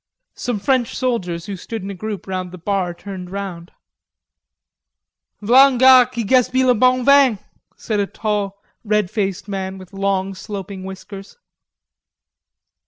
Some French soldiers who stood in a group round the bar turned round. "V'la un gars qui gaspille le bon vin," said a tall red faced man, with long sloping whiskers.